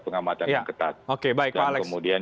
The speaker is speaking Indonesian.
pengamatan yang ketat dan kemudian